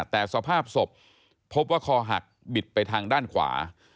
แต่สภาพศพพบว่าคอหักบิดไปทางด้านขวา